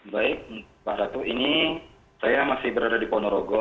baik pak ratu ini saya masih berada di ponorogo